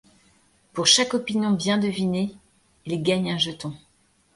Pour chaque opinion bien devinée, il gagne un jeton.